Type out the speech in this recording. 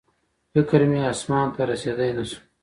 فکر مې اسمان ته رسېدی نه شو